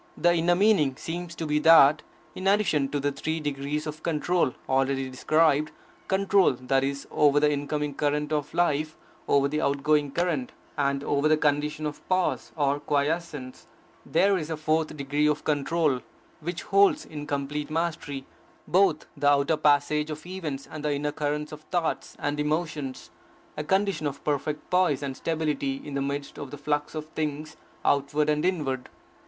The inner meaning seems to be that, in addition to the three degrees of control already described, control, that is, over the incoming current of life, over the outgoing current, and over the condition of pause or quiesence, there is a fourth degree of control, which holds in complete mastery both the outer passage of events and the inner currents of thoughts and emotions; a condition of perfect poise and stability in the midst of the flux of things outward and inward.